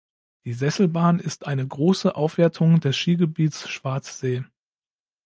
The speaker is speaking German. Die Sesselbahn ist eine grosse Aufwertung des Skigebiets Schwarzsee.